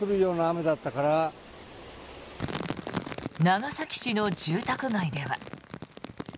長崎市の住宅街では。